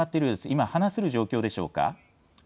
今、話せる状況でしょうか。